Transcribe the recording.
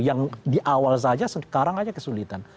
yang di awal saja sekarang saja kesulitan